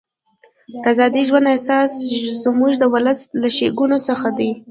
د ازاد ژوند احساس زموږ د ولس له ښېګڼو څخه دی.